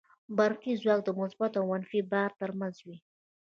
برقي ځواک د مثبت او منفي بار تر منځ وي.